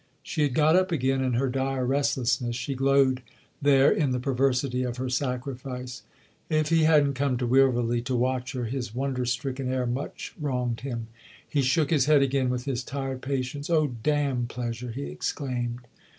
She had got up again in her dire restlessness; she glowed there in the perversity of her sacrifice. If he hadn't come to Wilverley to watch her, his wonder stricken air much wronged him. He shook his head again with his tired patience. " Oh, damn pleasure !" he exclaimed.